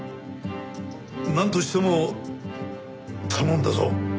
なんとしても頼んだぞ。